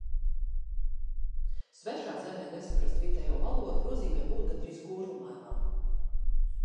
Svešā zemē nesaprast vietējo valodu nozīmē būt gandrīz kurlmēmam.